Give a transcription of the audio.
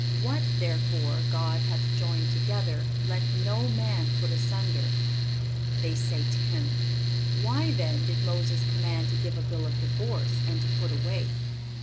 What, therefore, God hath joined together let no man put asunder. They say to Him: Why, then, did Moses command to give a bill of divorce and to put away?